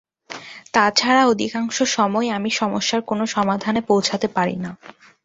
তা ছাড়া অধিকাংশ সময়ই আমি সমস্যার কোনো সমাধানে পৌঁছতে পারি না।